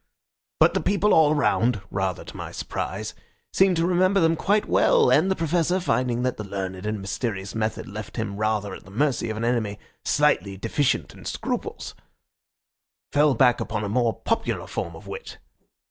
But the people all round (rather to my surprise) seemed to remember them quite well, and the Professor, finding that the learned and mysterious method left him rather at the mercy of an enemy slightly deficient in scruples, fell back upon a more popular form of wit.